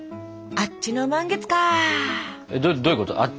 あっちの満月？